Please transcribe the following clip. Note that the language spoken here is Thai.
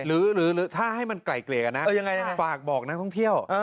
หรือถ้าให้มันไกลเกลี่ยกันนะฝากบอกนักท่องเที่ยว